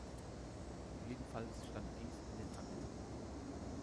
Jedenfalls stand dies in den Akten.